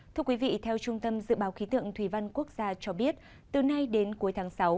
thưa quý vị theo trung tâm dự báo khí tượng thủy văn quốc gia cho biết từ nay đến cuối tháng sáu